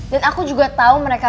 dan aku juga tau mereka